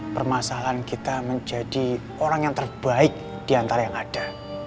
permasalahan kita menjadi orang yang terbaik diantara yang ada